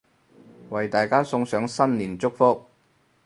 為大家送上新年祝福